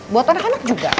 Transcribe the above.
buat anak anak juga